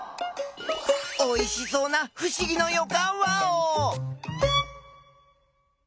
おいしそうなふしぎのよかんワオ！